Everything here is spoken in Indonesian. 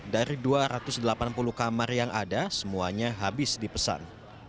dari dua ratus delapan puluh kamar yang ada semuanya habis dipesan